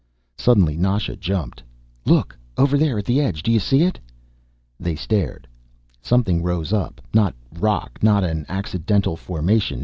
Suddenly Nasha jumped. "Look! Over there, at the edge. Do you see it?" They stared. Something rose up, not rock, not an accidental formation.